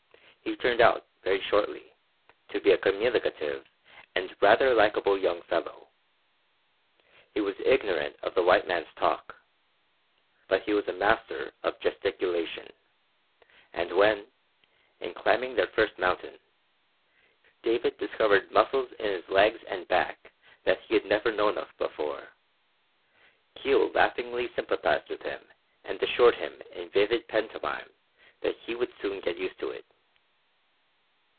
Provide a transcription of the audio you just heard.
He turned out, very shortly, to be a communicative and rather likable young fellow. He was ignorant of the white man's talk. But he was a master of gesticulation; and when, in climbing their first mountain, David discovered muscles in his legs and back that he had never known of before, Kio laughingly sympathized with him and assured him in vivid pantomime that he would soon get used to it.